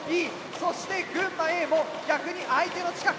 そして群馬Ａも逆に相手の近く。